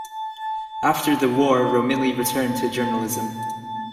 After the war Romilly returned to journalism.